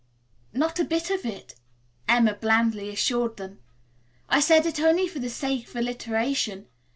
"Not a bit of it," Emma blandly assured them. "I said it only for the sake of alliteration.